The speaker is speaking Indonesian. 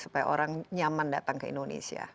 supaya orang nyaman datang ke indonesia